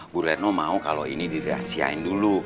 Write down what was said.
bu retno mau kalau ini dirahasiain dulu